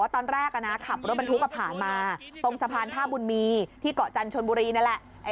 ตอนแรกขับรถบรรทุกผ่านมาตรงสะพานท่าบุญมีที่เกาะจันทบุรีนั่นแหละ